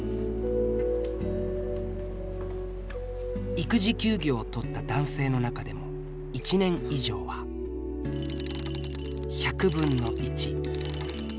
育児休業をとった男性の中でも１年以上は１００分の１。